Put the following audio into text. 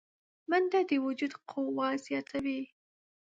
منډه د وجود قوه زیاتوي